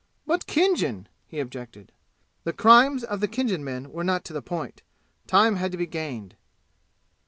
"But Khinjan," he objected. The crimes of the Khinjan men were not to the point. Time had to be gained.